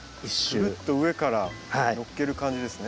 ぐるっと上から載っける感じですね。